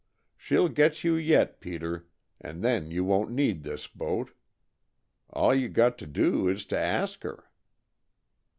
She'll get you yet, Peter. And then you won't need this boat. All you got to do is to ask her."